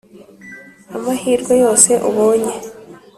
amahirwe yose ubonye.